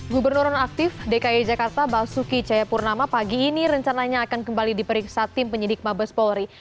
gubernur nonaktif dki jakarta basuki cayapurnama pagi ini rencananya akan kembali diperiksa tim penyidik mabes polri